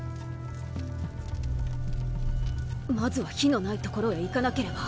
まずは火のない所へ行かなければ。